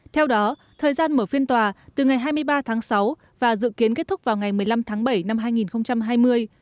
theo đó thời gian mở phiên tòa từ ngày hai mươi ba tháng sáu và dự kiến kết thúc vào ngày một mươi năm tháng bảy năm hai nghìn hai mươi